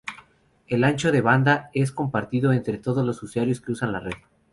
El ancho de banda es compartido entre todos los usuarios que usan la red.